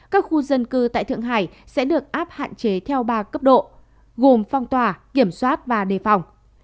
các khu dân cư tại thượng hải sẽ được áp hạn chế theo ba cấp độ gồm phong tỏa kiểm soát và đề phòng